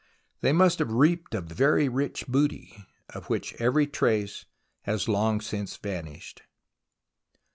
They must have reaped a very rich booty, of which every trace has long since vanished.